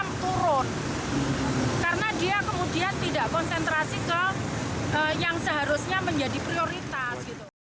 menurut tri risma harini permainan pokemon go sebaiknya tidak dimainkan sepanjang waktu